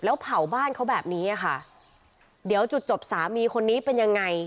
แล้วเผาแบบนี้อ่ะคะเดี๋ยวจุดจบสามีคนนี้เป็นยังไง